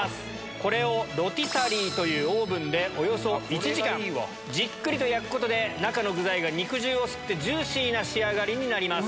これをおよそ１時間じっくりと焼くことで中の具材が肉汁を吸ってジューシーな仕上がりになります。